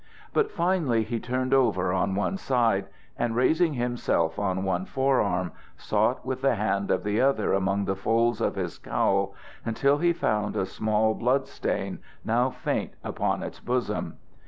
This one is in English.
But finally he turned over on one side, and raising himself on one forearm, sought with the hand of the other among the folds of his cowl until he found a small blood stain now faint upon its bosom.